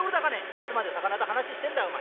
「いつまで魚と話してんだいお前。